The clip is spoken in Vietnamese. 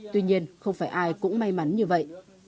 tuy nhiên không phải ai cũng may mắn như vậy